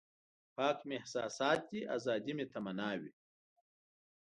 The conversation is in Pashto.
پاک مې احساسات دي ازادي مې تمنا وي.